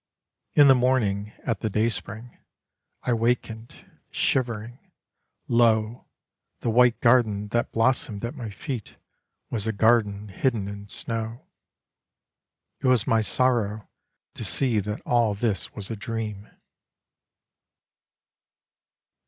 In the morning, at the dayspring, I wakened, shivering; lo, The white garden that blossomed at my feet Was a garden hidden in snow. It was my sorrow to see that all this was a dream.